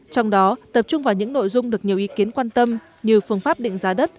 trong đó tập trung vào những nội dung được nhiều ý kiến quan tâm như phương pháp định giá đất